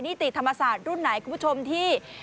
นิติธรรมสาติรุ่นนกผู้ชมที่